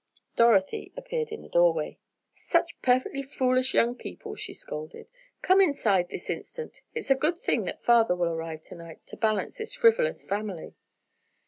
Dorothy appeared in the doorway. "Such perfectly foolish young people!" she scolded. "Come inside this instant! It's a good thing that father will arrive to night, to balance this frivolous family!"